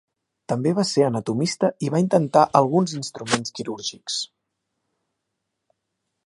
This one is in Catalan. També va ser anatomista i va intentar alguns instruments quirúrgics.